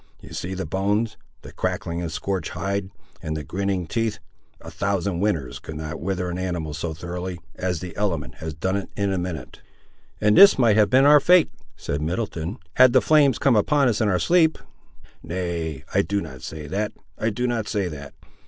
You see the bones; the crackling and scorched hide, and the grinning teeth. A thousand winters could not wither an animal so thoroughly, as the element has done it in a minute." "And this might have been our fate," said Middleton, "had the flames come upon us, in our sleep!" "Nay, I do not say that, I do not say that.